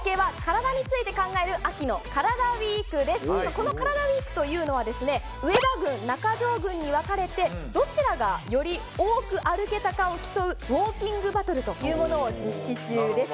この「カラダＷＥＥＫ」というのは上田軍中条軍に分かれてどちらがより多く歩けたかを競うウオーキングバトルというものを実施中です。